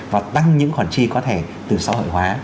và tăng những khoản chi có thể từ xã hội hóa